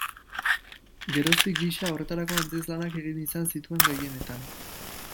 Geroztik gisa horretako antzezlanak egin izan zituen gehienetan.